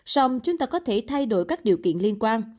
xong chúng ta có thể thay đổi các điều kiện liên quan